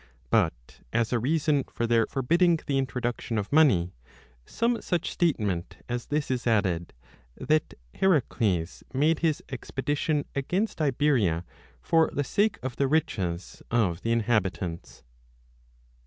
But as a reason for their forbidding the introduction of money, 5 some such statement as this is added, that Heracles made his expedition against Iberia for the sake of the riches of the inhabitants.